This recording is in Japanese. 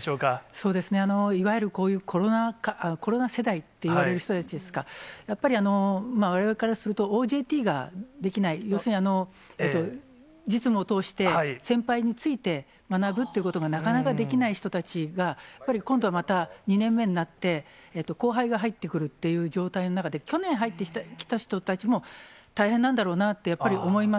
そうですね、いわゆるこういうコロナ禍、コロナ世代っていわれる人たちですか、やっぱりわれわれからすると、ＯＪＴができない、要するに実務を通して、先輩について学ぶっていうことがなかなかできない人たちが、やはり今度はまた２年目になって、後輩が入ってくるっていう状態の中で、去年入ってきた人たちも大変なんだろうなってやっぱり思います。